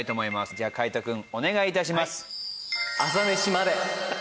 じゃあ海人君お願い致します。